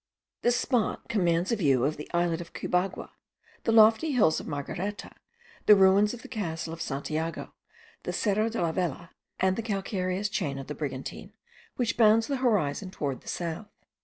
This spot commands a view of the islet of Cubagua, the lofty hills of Margareta, the ruins of the castle of Santiago, the Cerro de la Vela, and the calcareous chain of the Brigantine, which bounds the horizon towards the south.